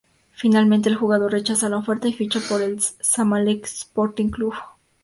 Finalmente el jugador rechaza la oferta y ficha por el Zamalek Sporting Club.